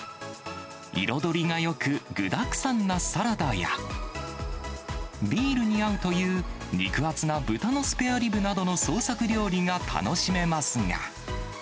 彩りがよく具だくさんなサラダや、ビールに合うという肉厚な豚のスペアリブなどの創作料理が楽しめますが。